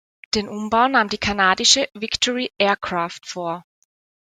Den Umbau nahm die kanadische Victory Aircraft vor.